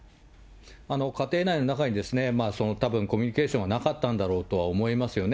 家庭内の中に、たぶんコミュニケーションはなかったんだろうと思いますよね。